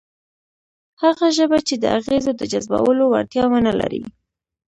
هغه ژبه چې د اغېزو د جذبولو وړتیا ونه لري،